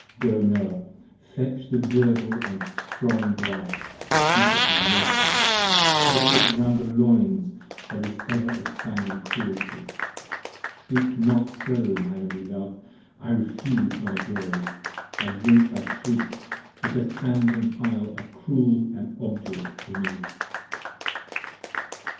Go Noah, fetch the girdle of strong brass, heat it red hot: 60 Press it around the loins of this ever expanding cruelty. Shriek not so my only love: I refuse thy joys: I drink 62 Thy shrieks because Hand & Hyle are cruel & obdurate to me. p.